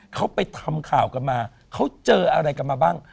เขาไปทำข่าวกันมาเขาเจออะไรกันมาบ้าง